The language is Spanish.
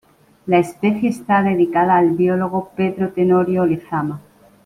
La especie está dedicada al biólogo Pedro Tenorio Lezama.